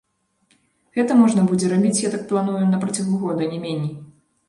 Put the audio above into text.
Гэта можна будзе рабіць, я так планую, на працягу года, не меней.